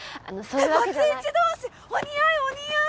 えっバツイチ同士お似合いお似合い！